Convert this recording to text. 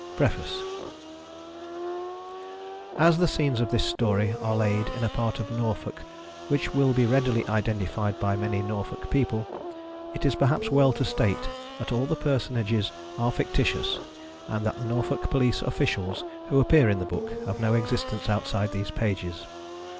_ PREFACE As the scenes of this story are laid in a part of Norfolk which will be readily identified by many Norfolk people, it is perhaps well to state that all the personages are fictitious, and that the Norfolk police officials who appear in the book have no existence outside these pages.